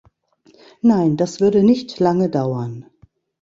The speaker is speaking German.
Nein, das würde nicht lange dauern.